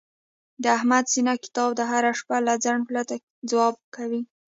د احمد سینه کتاب دی، هره پوښتنه له ځنډ پرته ځواب کوي.